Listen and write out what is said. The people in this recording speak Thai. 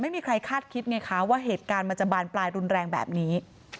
ไม่มีใครคาดคิดไงคะว่าเหตุการณ์มันจะบานปลายรุนแรงแบบนี้